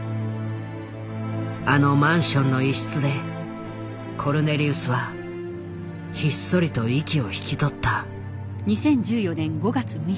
あのマンションの一室でコルネリウスはひっそりと息を引き取った。